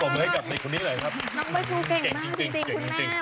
น้องใบพรูเก่งมากจริงคุณแม่